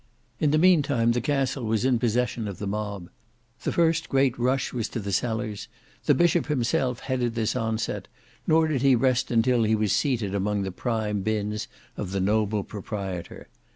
In the meantime the castle was in possession of the mob. The first great rush was to the cellars: the Bishop himself headed this onset, nor did he rest until he was seated among the prime binns of the noble proprietor.